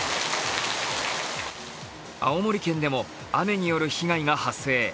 青森県でも雨による被害が発生。